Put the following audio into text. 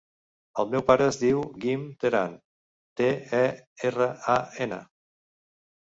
El meu pare es diu Guim Teran: te, e, erra, a, ena.